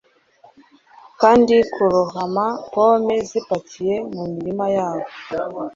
kandi kurohama pome zipakiye mumiraba yabo